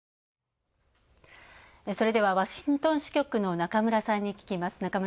それではワシントン支局の中村さんに聞きます。